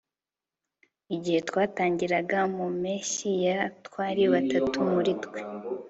Igihe twatangiraga mu mpeshyi ya twari batatu muri twe